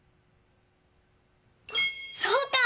そうか！